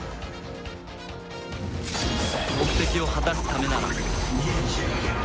「ＳＥＴ」目的を果たすためなら。